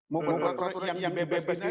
mau buat peraturan yang bebes bebes gini